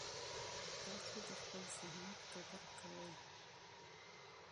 تاسو د خپل زحمت قدر کوئ.